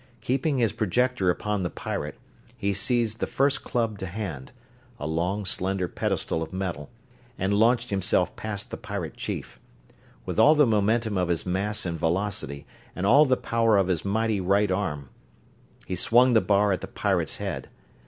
Keeping his projector upon the pirate, he seized the first club to hand a long, slender pedestal of metal and launched himself past the pirate chief. With all the momentum of his mass and velocity and all the power of his mighty right arm he swung the bar at the pirate's head.